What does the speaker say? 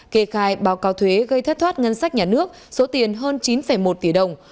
kê khai báo cáo thuế gây thất thoát ngân sách nhà nước số tiền hơn chín một tỷ đồng